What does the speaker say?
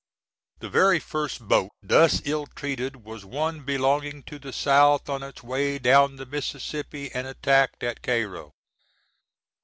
The very 1st boat thus ill treated was one belonging to the South on its way down the Miss. & attacked at Cairo.